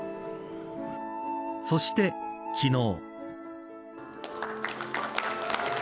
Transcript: そして昨日。